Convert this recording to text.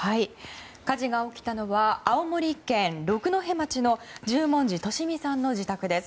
火事が起きたのは青森県六戸町の十文字利美さんの自宅です。